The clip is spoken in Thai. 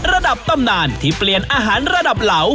ระดับตำนานที่เปลี่ยนอาหารระดับเหลา